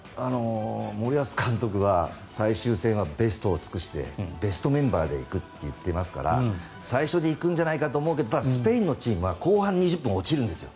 森保監督が最終戦はベストを尽くしてベストメンバーで行くと言っていますから最初に行くんじゃないかと思っていますがスペインのチームは後半２０分に落ちるんですよ。